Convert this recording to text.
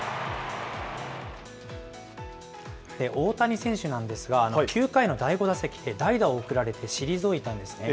大谷選手なんですが、９回の第５打席で代打を送られて退いたんですね。